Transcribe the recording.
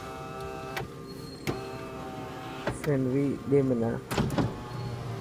فئنيون ڏي منا.